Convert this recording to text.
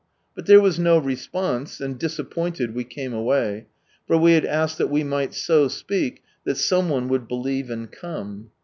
But there was no response, and disappointed, we came away ; for we had asked that we might " so speak " that some one would believe, and come.